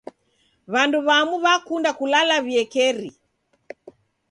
W'andu w'amu w'akunda kulala w'iekeri.